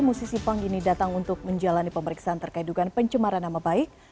musisi punk ini datang untuk menjalani pemeriksaan terkait dugaan pencemaran nama baik